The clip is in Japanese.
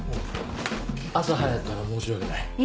朝早くから申し訳ない。